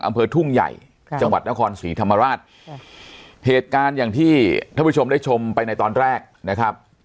อำเภอทุ่งใหญ่จังหวัดนครศรีธรรมราชเหตุการณ์อย่างที่ท่านผู้ชมได้ชมไปในตอนแรกนะครับ